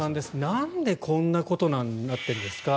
なんでこんなことになっているんですか。